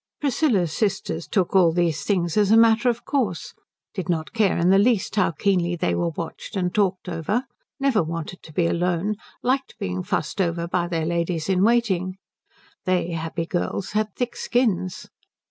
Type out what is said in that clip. Priscilla's sisters took all these things as a matter of course, did not care in the least how keenly they were watched and talked over, never wanted to be alone, liked being fussed over by their ladies in waiting. They, happy girls, had thick skins.